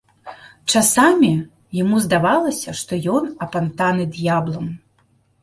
Часамі яму здавалася, што ён апантаны д'яблам.